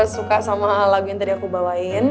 suka sama lagu yang tadi aku bawain